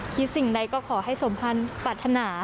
สิ่งใดก็ขอให้สมพันธ์ปรัฐนา